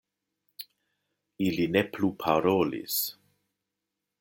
Ili ne plu parolis.